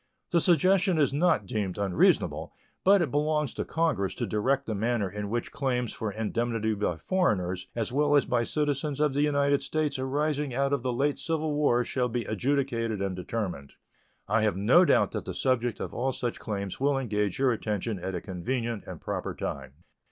The suggestion is not deemed unreasonable, but it belongs to Congress to direct the manner in which claims for indemnity by foreigners as well as by citizens of the United States arising out of the late civil war shall be adjudicated and determined. I have no doubt that the subject of all such claims will engage your attention at a convenient and proper time.